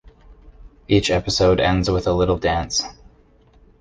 Each episode ends with a little dance.